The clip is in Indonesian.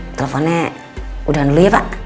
teleponnya udahan dulu ya pak